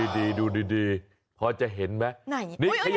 ดูดีฮอจะเห็นมั้ย